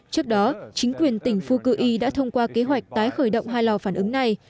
trước đó chính quyền tỉnh fukui đã thông qua kế hoạch tái khởi động hai lò phản ứng này